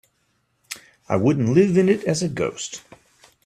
I wouldn't live in it as a ghost.